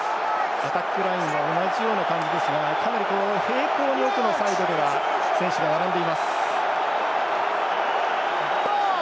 アタックライン同じような感じですがかなり、並行のサイドでは選手が並んでいます。